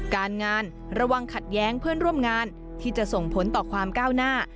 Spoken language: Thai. การงานระวังขัดแย้งเพื่อนร่วมงานที่จะส่งผลต่อความก้าวหน้า